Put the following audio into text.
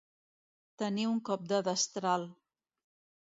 Tenir un cop de destral.